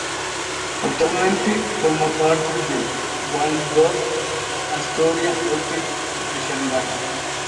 Actualmente forma parte del Waldorf-Astoria Hotel de Shanghai.